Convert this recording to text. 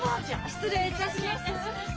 失礼いたします。